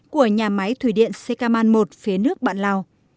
của nhà máy thủy điện sekaman một phía nước bạn lào